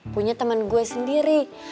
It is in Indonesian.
punya temen gue sendiri